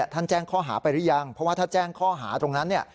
แจ้งข้อหาไปหรือยังเพราะว่าถ้าแจ้งข้อหาตรงนั้นเนี่ย